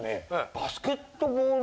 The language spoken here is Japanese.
バスケットボール？